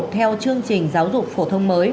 theo chương trình giáo dục phổ thông mới